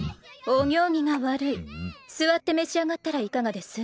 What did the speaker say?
お行儀が悪い座って召し上がったらいかがです